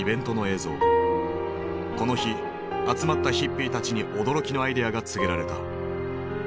この日集まったヒッピーたちに驚きのアイデアが告げられた。